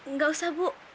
nggak usah bu